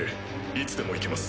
いつでも行けます。